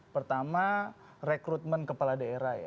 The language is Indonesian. pertama rekrutmen kepala daerah